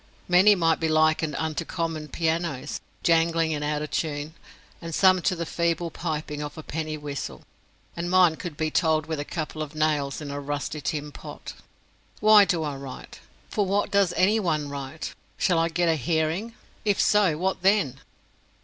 Many might be likened unto common pianos, jangling and out of tune, and some to the feeble piping of a penny whistle, and mine could be told with a couple of nails in a rusty tin pot. Why do I write? For what does any one write? Shall I get a hearing? If so what then?